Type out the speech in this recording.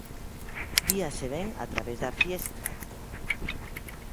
Víase ben a través da fiestra.